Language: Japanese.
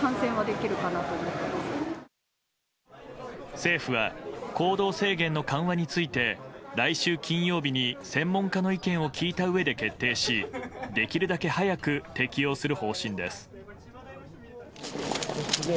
政府は行動制限の緩和について来週金曜日に専門家の意見を聞いたうえで決定しできるだけ早く適用する方針です。